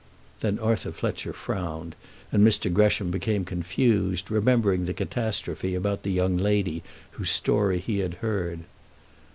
Then Arthur Fletcher frowned and Mr. Gresham became confused, remembering the catastrophe about the young lady whose story he had heard.